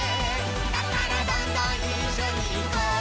「だからどんどんいっしょにいこう」